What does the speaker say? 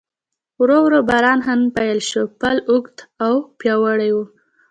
ورو ورو باران هم پیل شو، پل اوږد او پیاوړی و.